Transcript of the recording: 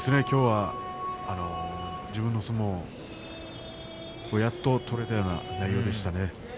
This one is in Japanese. きょうは自分の相撲をやっと取れたような感じがしましたね。